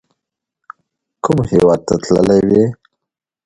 کوم هیواد ته تللي وئ؟